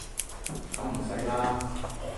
噉唔使啦